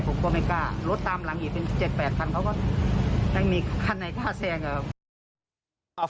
ผมก็ไม่กล้ารถตามหลังอีกเป็น๗๘คันเขาก็ไม่มีคันไหนกล้าแซงอะครับ